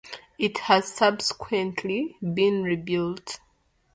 It has subsequently been rebuilt.